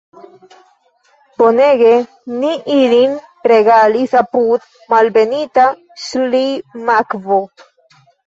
Bonege ni ilin regalis apud Malbenita Ŝlimakvo!